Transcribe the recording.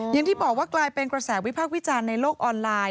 อย่างที่บอกว่ากลายเป็นกระแสวิพากษ์วิจารณ์ในโลกออนไลน์